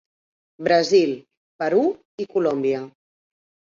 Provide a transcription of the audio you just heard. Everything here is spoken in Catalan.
Brasil, Perú i Colòmbia.